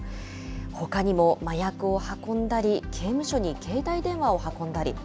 ほかにも麻薬を運んだり刑務所に携帯電話を運んだり。